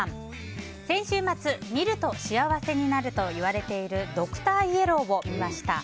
先週末、見ると幸せになるといわれているドクターイエローを見ました。